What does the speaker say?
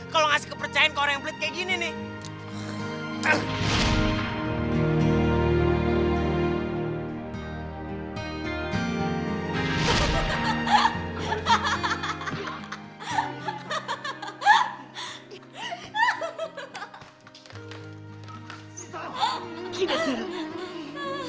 kalau ngasih kepercayaan ke orang yang pelit kayak gini nih